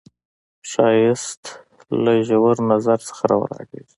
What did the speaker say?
ښایست له ژور نظر نه راولاړیږي